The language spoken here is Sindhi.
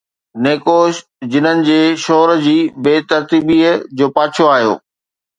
نيڪوش، جنن جي شور جي بي ترتيبيءَ جو پاڇو آيو